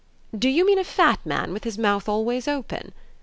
"Do you mean a fat man with his mouth always open?"